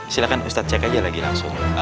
silahkan ustadz cek aja lagi langsung